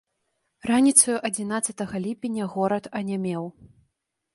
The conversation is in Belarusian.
Раніцою адзінаццатага ліпеня горад анямеў.